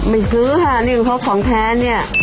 ไม่ซื้อค่ะนี่คือของแท้เนี่ย